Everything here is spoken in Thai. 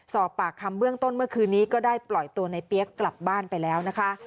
สอบปากคำเบื้องต้นเมื่อคืนนี้ก็ได้ปล่อยตัวในเปี๊ยกกลับบ้านไปแล้วนะคะ